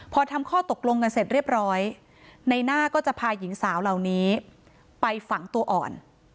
พอทำข้อตกลงกันเสร็จเรียบร้อยในหน้าก็จะพาหญิงสาวเหล่านี้ไปฝังตัวอ่อน